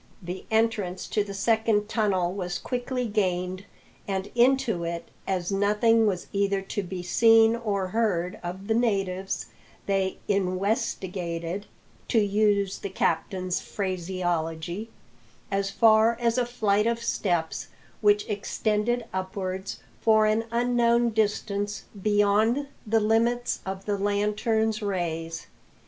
The entrance to the second tunnel was quickly gained, and into it, as nothing was either to be seen or heard of the natives, they "inwestigated" to use the captain's phraseology as far as a flight of steps which extended upwards for an unknown distance beyond the limits of the lantern's rays.